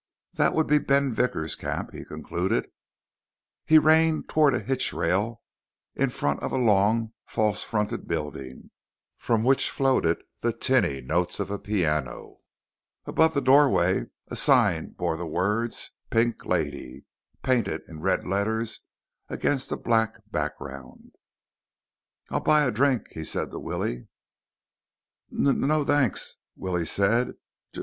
That would be Ben Vickers' camp, he concluded. He reined toward a hitchrail in front of a long, false fronted building from which floated the tinny notes of a piano. Above the doorway a sign bore the words PINK LADY, painted in red letters against a black background. "I'll buy a drink," he said to Willie. "N no, thanks," Willie said.